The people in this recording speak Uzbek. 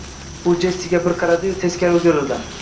U Jessiga bir qaradi-yu, teskari o`girildi